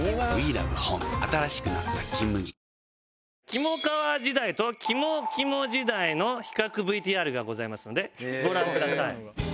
キモカワ時代とキモキモ時代の比較ＶＴＲがございますのでご覧ください。